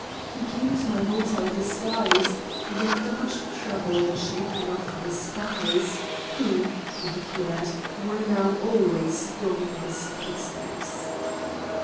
He came to my hotel disguised, and after much trouble in shaking off the spies, who, he declared, were now always dogging his footsteps.